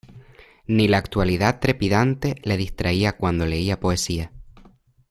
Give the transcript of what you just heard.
Ni la actualidad trepidante le distraía cuando leía poesía.